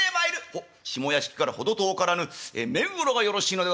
「はっ下屋敷から程遠からぬ目黒がよろしいのではないかと」。